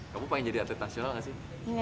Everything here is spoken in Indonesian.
kamu pengen jadi atlet nasional gak sih